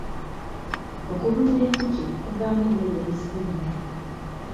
Okulunda enjuki kuvaamu emmere ne ssente.